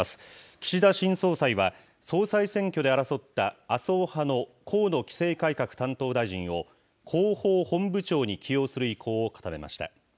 岸田新総裁は、総裁選挙で争った麻生派の河野規制改革担当大臣を、広報本部長に起用する意向を固めました。